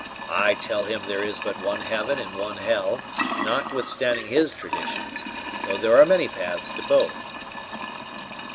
I tell him there is but one heaven and one hell, notwithstanding his traditions, though there are many paths to both."